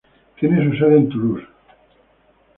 Tiene su sede en Toulouse.